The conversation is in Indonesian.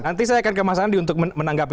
nanti saya akan ke mas andi untuk menanggapi